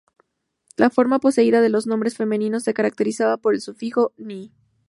La forma poseída de los nombres femeninos se caracteriza por el sufijo "-ni".